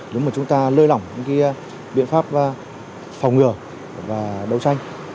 nếu mà chúng ta lơi lỏng những biện pháp phòng ngừa và đấu tranh